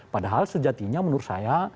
padahal sejatinya menurut saya